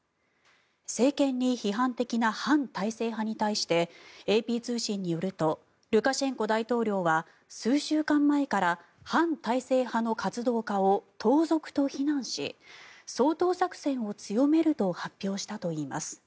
政権に批判的な反体制派に対してＡＰ通信によるとルカシェンコ大統領は数週間前から反体制派の活動家を盗賊と非難し掃討作戦を強めると発表したといいます。